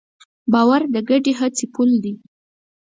باور د ګډې هڅې پُل دی.